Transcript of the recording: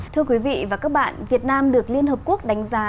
thưa quý vị và các bạn việt nam được liên hợp quốc đánh giá